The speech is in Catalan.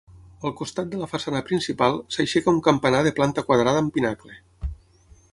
Al costat de la façana principal s'aixeca un campanar de planta quadrada amb pinacle.